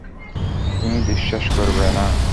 তুমি বিশ্বাস করবে না!